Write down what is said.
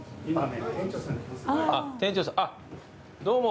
今。